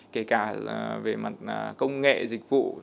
kể cả về mặt công nghệ dịch vụ